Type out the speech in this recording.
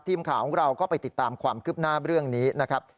ทีมข่าวของเราก็ไปติดตามความคืบหน้าเรื่องนี้นะครับ